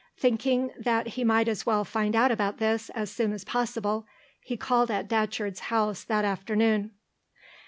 Thinking that he might as well find out about this as soon as possible, he called at Datcherd's house that afternoon.